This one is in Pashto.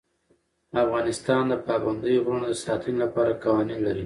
افغانستان د پابندی غرونه د ساتنې لپاره قوانین لري.